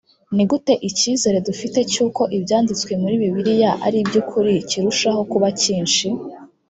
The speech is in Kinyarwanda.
ni gute icyizere dufite cy’uko ibyanditswe muri bibiliya ari iby’ukuri kirushaho kuba cyinshi